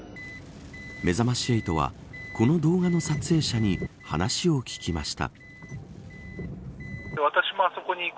めざまし８はこの動画の撮影者に話を聞きました。